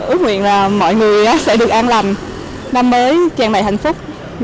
ước nguyện là mọi người sẽ được an lành năm mới tràn đầy hạnh phúc